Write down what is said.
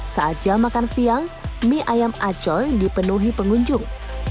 saat jam makan siang mie ayam acoy dipenuhi pengunjung